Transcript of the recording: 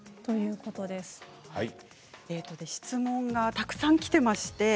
質問がたくさんきています。